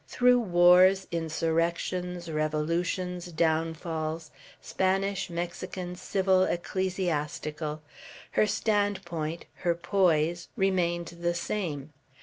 Through wars, insurrections, revolutions, downfalls, Spanish, Mexican, civil, ecclesiastical, her standpoint, her poise, remained the same.